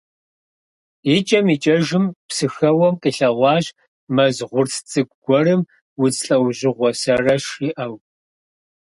ИкӀэм икӀэжым, Псыхэуэм къилъэгъуащ мэз гъурц цӀыкӀу гуэрым удз лӀэужьыгъуэу сэрэш иӀэу.